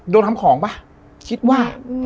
โดนทำของป่ะคิดว่า